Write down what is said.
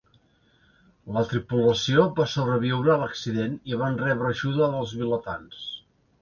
La tripulació va sobreviure a l'accident i van rebre ajuda dels vilatans.